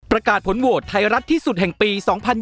ประกาศผลโหวตไทยรัฐที่สุดแห่งปี๒๐๒๐